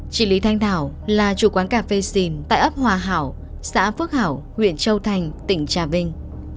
chị lý thanh thảo là chủ quán cà phê xìn tại ấp hòa hảo xã phước hảo huyện châu thành tỉnh trà vinh